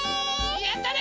やったね！